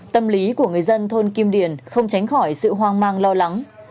tâm lý của người dân thôn kim điền không tránh khỏi sự hoang mang lo lắng